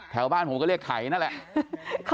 แถวบ้านผมก็เรียกไถนั่นแหละ